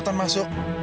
udah duda deh